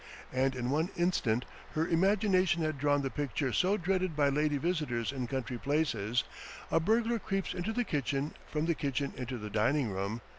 And in one instant her imagination had drawn the picture so dreaded by lady visitors in country places a burglar creeps into the kitchen, from the kitchen into the dining room